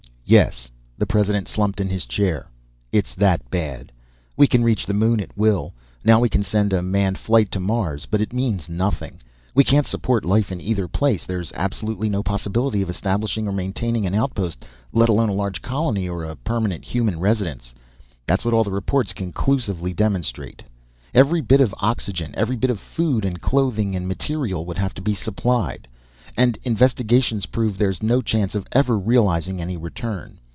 "Yes." The President slumped in his chair. "It's that bad. We can reach the moon at will. Now we can send a manned flight to Mars. But it means nothing. We can't support life in either place. There's absolutely no possibility of establishing or maintaining an outpost, let alone a large colony or a permanent human residence. That's what all the reports conclusively demonstrate. "Every bit of oxygen, every bit of food and clothing and material, would have to be supplied. And investigations prove there's no chance of ever realizing any return.